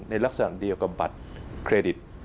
ในลักษณะเดียวกับบัตรเครดิต